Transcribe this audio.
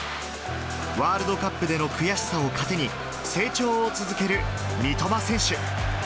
ワールドカップでの悔しさを糧に、成長を続ける三笘選手。